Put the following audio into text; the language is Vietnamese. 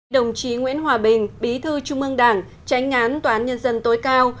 đồng chí nguyễn hòa bình bí thư trung ương đảng tránh ngán tòa án nhân dân tối cao